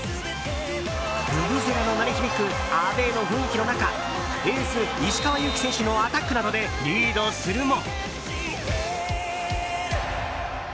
ブブゼラの鳴り響くアウェーの雰囲気の中エース石川祐希選手のアタックなどでリードするも。